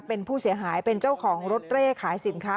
เป็นผู้เสียหายเป็นเจ้าของรถเร่ขายสินค้า